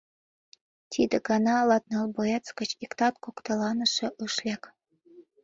Тиде гана латныл боец гыч иктат коктеланыше ыш лек.